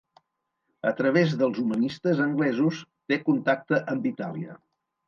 A través dels humanistes anglesos té contacte amb Itàlia.